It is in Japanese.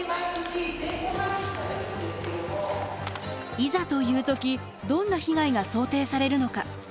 いざという時どんな被害が想定されるのか？